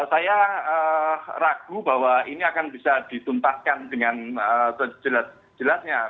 saya ragu bahwa ini akan bisa dituntaskan dengan sejelas jelasnya